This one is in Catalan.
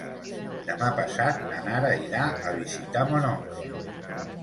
Demà passat na Nara irà a visitar mon oncle.